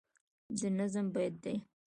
د نظم بیت دی